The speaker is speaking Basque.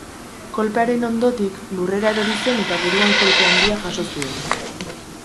Kolpearen ondotik, lurrera erori zen eta buruan kolpe handia jaso zuen.